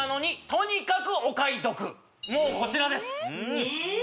もうこちらですえっ